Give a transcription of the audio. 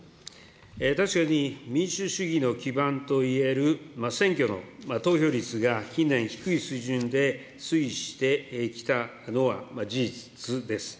確かに民主主義の基盤と言える選挙の投票率が近年低い水準で推移してきたのは事実です。